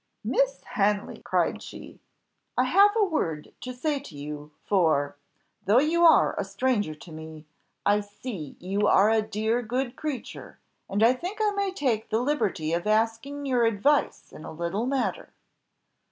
"Miss Hanley!" cried she, "I have a word to say to you, for, though you are a stranger to me, I see you are a dear good creature, and I think I may take the liberty of asking your advice in a little matter."